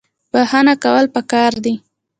بخښنه کول پکار دي